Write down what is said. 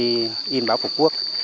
đi in báo phục quốc